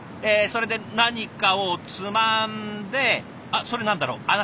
えそれで何かをつまんであっそれ何だろう？